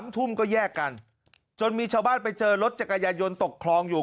ทุ่มก็แยกกันจนมีชาวบ้านไปเจอรถจักรยายนตกคลองอยู่